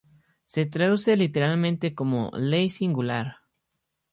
Se traduce literalmente como "ley singular".